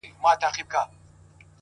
هغه چي تږې سي اوبه په پټو سترگو څيښي-